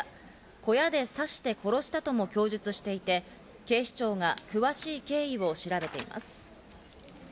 小屋で刺して殺したとも供述していて、警視庁が詳しい経緯を調べています。